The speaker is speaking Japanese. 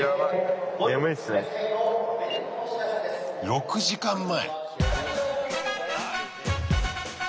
６時間前！